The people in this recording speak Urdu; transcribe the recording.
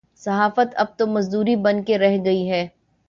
صحافت اب تو مزدوری بن کے رہ گئی ہے۔